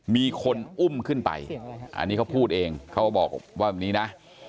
มีคนอุ้มขึ้นไปอันนี้เขาพูดเองเขาก็บอกว่าแบบนี้นะ